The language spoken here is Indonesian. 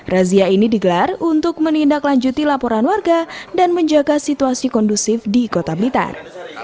razia ini digelar untuk menindaklanjuti laporan warga dan menjaga situasi kondusif di kota blitar